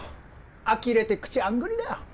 あきれて口あんぐりだよ。